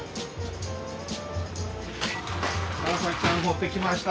川さん持ってきました。